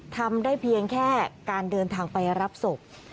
ทำได้เพียงแค่การเดินทางไปรับศพ